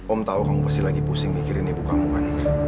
om tahu kamu pasti lagi pusing mikirin ibu kamu kan